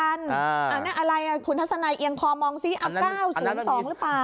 นั่นอะไรคุณทัศนัยเอียงคอมองซิเอา๙๐๒หรือเปล่า